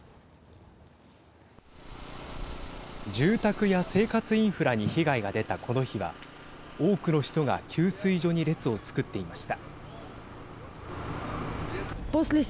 住宅や生活インフラに被害が出た、この日は多くの人が給水所に列を作っていました。